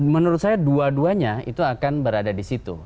menurut saya dua duanya itu akan berada di situ